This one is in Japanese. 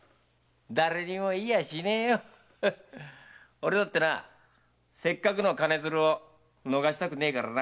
俺だってせっかくの金づるを逃したくねえからな。